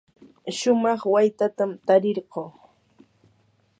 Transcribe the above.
shumaq waytatam tarirquu.